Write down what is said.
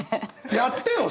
やってよ！